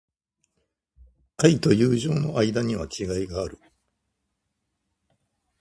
愛と友情の間には違いがある。